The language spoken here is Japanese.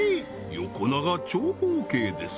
横長長方形です